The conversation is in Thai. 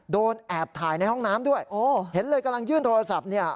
แอบถ่ายในห้องน้ำด้วยโอ้เห็นเลยกำลังยื่นโทรศัพท์เนี่ย